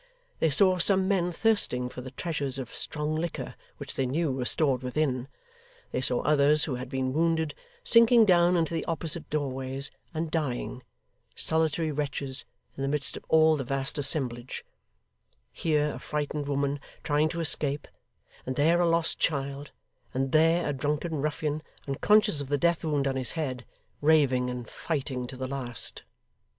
They saw some men thirsting for the treasures of strong liquor which they knew were stored within; they saw others, who had been wounded, sinking down into the opposite doorways and dying, solitary wretches, in the midst of all the vast assemblage; here a frightened woman trying to escape; and there a lost child; and there a drunken ruffian, unconscious of the death wound on his head, raving and fighting to the last.